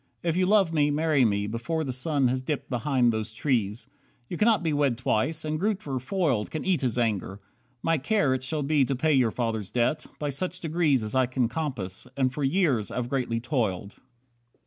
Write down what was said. If you love me, marry me Before the sun has dipped behind those trees. You cannot be wed twice, and Grootver, foiled, Can eat his anger. My care it shall be To pay your father's debt, by such degrees As I can compass, and for years I've greatly toiled.